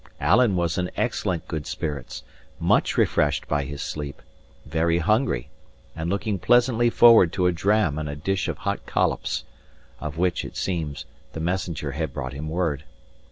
Alan was in excellent good spirits, much refreshed by his sleep, very hungry, and looking pleasantly forward to a dram and a dish of hot collops, of which, it seems, the messenger had brought him word.